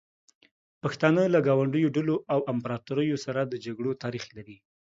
پښتانه له ګاونډیو ډلو او امپراتوریو سره د جګړو تاریخ لري.